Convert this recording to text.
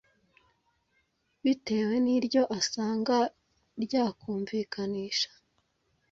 bitewe n’iryo asanga ryakumvikanisha